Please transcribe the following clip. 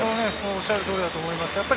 おっしゃる通りだと思います。